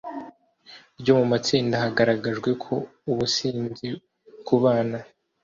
byo mu matsinda hagaragajwe ko ubusinzi kubana